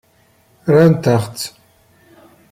Rran-aɣ-tt.